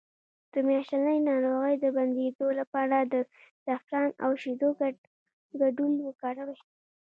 د میاشتنۍ ناروغۍ د بندیدو لپاره د زعفران او شیدو ګډول وکاروئ